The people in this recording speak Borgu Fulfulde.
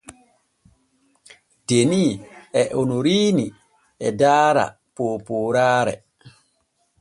Deni e Onoriini e daara poopooraare.